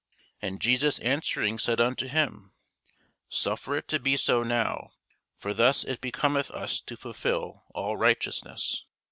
And Jesus answering said unto him, Suffer it to be so now: for thus it becometh us to fulfil all righteousness.